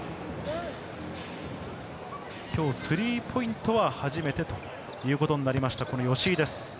今日、スリーポイントは初めてということになりました吉井です。